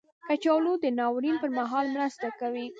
کچالو د ناورین پر مهال مرسته کوي